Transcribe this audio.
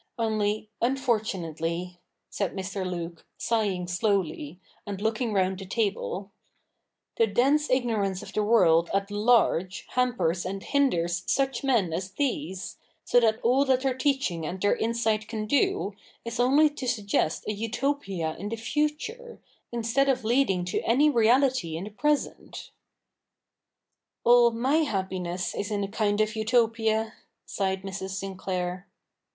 Only, unfortunately,' said Mr. Luke, sighing 5"lowly, and looking round the table, ' the dense ignorance of the world at large hampers and hinders such men as these, so that all that their teaching and their insight can do, is only to suggest a Utopia in the future, instead of leading to any reality in the present.' ' All my happiness is in a kind of Utopia,' sighed Mrs. Sinclair.